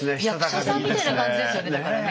役者さんみたいな感じですよねだからね